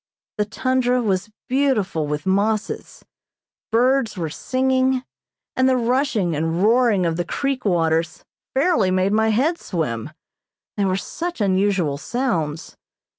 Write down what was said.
The tundra was beautiful with mosses, birds were singing, and the rushing and roaring of the creek waters fairly made my head swim, they were such unusual sounds.